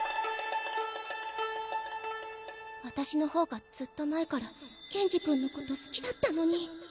私の方がずっと前から謙二くんのこと好きだったのに。